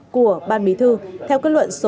của ban bí thư theo kết luận số hai mươi năm